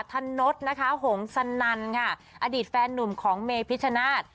ธนดนะคะหงสนันค่ะอดีตแฟนหนุ่มของเมพิชชนาธิ์